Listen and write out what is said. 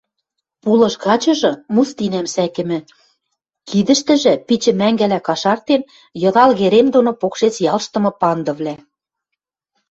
пулыш гачыжы мустинӓм сӓкӹмӹ; кидӹштӹжӹ, пичӹ мӓнгӹлӓ кашартен, йыдал керем доно покшец ялштымы пандывлӓ.